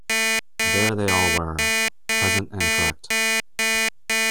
There they all were, present and correct.